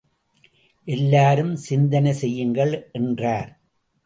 எல்லாரும் சிந்தனை செய்யுங்கள் என்றார்.